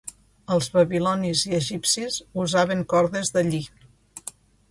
Els babilonis i egipcis usaven cordes de lli.